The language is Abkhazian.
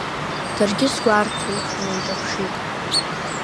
Даргьы сгәарҭеит, инеиҿаԥшит.